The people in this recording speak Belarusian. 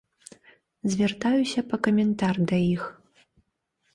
Звяртаюся па каментар да іх.